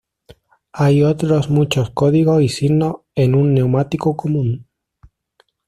Hay otros muchos códigos y signos en un neumático común.